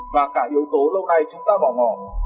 và cả yếu tố lâu nay chúng ta bỏ ngỏ